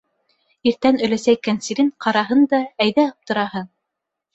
Иртән өләсәй кәнсирен ҡараһын да әйҙә аптыраһын.